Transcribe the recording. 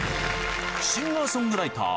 シンガーソングライター